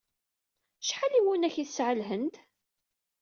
Acḥal n yiwunak ay tesɛa Lhend?